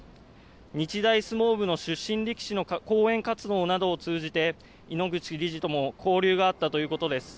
日大相撲部の出身力士の講演活動などを通じて井ノ口理事とも交流があったということです。